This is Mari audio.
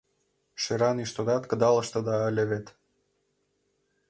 Шӧран ӱштыдат кыдалыштыда ыле вет.